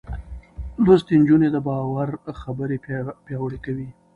لوستې نجونې د باور خبرې پياوړې کوي.